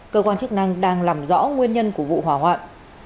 cơ quan chức năng đang làm rõ nguyên nhân của vụ hỏa hoạn